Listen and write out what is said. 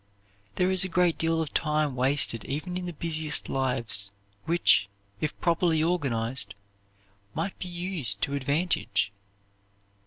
There is a great deal of time wasted even in the busiest lives, which, if properly organized, might be used to advantage.